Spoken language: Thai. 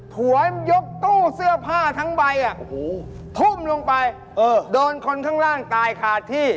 ผัวมันยกตู้เสื้อผ้าทั้งใบทุ่มลงไปโดนคนข้างล่างตายขาดที่